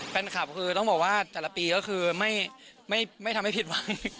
แฟนคลับคือต้องบอกว่าแต่ละปีก็คือไม่ทำให้ผิดหวัง